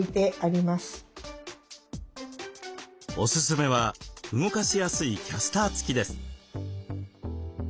おすすめは動かしやすいキャスター付きです。